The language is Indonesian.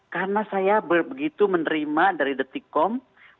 karena saya begitu menerima dari detikkom